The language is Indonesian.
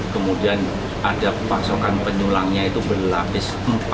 kemudian ada pasokan penyulangnya itu berlapis empat